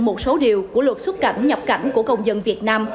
một số điều của luật xuất cảnh nhập cảnh của công dân việt nam